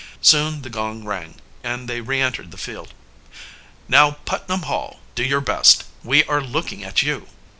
Soon the gong rang, and they re entered the field. "Now, Putnam Hall, do your best! We are looking at you!"